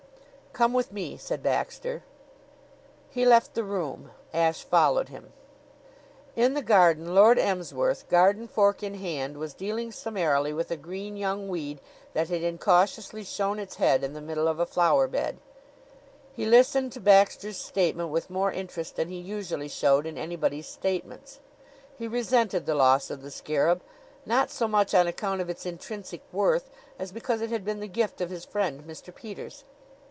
"Come with me," said Baxter. He left the room. Ashe followed him. In the garden Lord Emsworth, garden fork in hand, was dealing summarily with a green young weed that had incautiously shown its head in the middle of a flower bed. He listened to Baxter's statement with more interest than he usually showed in anybody's statements. He resented the loss of the scarab, not so much on account of its intrinsic worth as because it had been the gift of his friend Mr. Peters.